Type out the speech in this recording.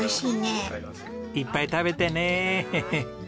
いっぱい食べてねヘヘッ。